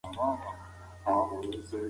د خوړو مسمومیت د روغتیا لپاره لوی ګواښ دی.